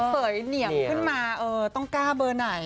เสยเหนียมขึ้นมาต้องกล้าเบอร์ไหน